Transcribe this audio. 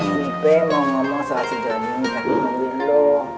kan ini si peh mau ngomong soal sejati ngak ngebel lo